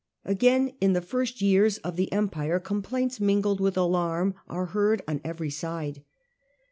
Again in the first years of the Empire complaints mingled with alarm are heard on every side.